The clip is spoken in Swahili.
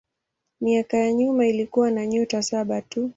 Miaka ya nyuma ilikuwa na nyota saba tu.